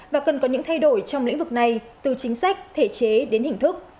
và cần có những thay đổi trong lĩnh vực này từ chính sách thể chế đến hình thức